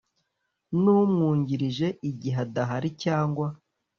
n umwungirije igihe adahari cyangwa